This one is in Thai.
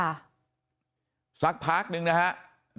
นี่คุณตูนอายุ๓๗ปีนะครับ